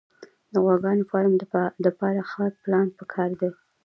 د غواګانو فارم دپاره ښه پلان پکار دی